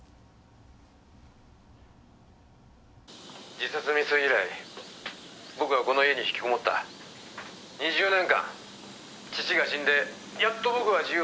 「自殺未遂以来僕はこの家に引きこもった２０年間」「父が死んでやっと僕は自由を得た」